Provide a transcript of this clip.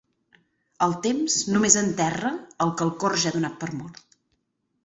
El temps només enterra el que el cor ja ha donat per mort.